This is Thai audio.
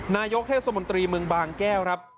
นายกเทศมนตรีเมืองบางแก้วครับ